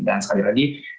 dan sekali lagi